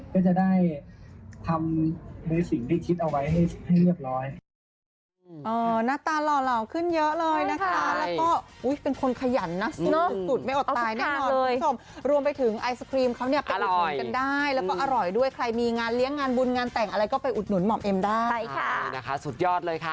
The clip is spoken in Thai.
ก็จะได้ทำในสิ่งที่คิดเอาไว้ให้เรียบร้อย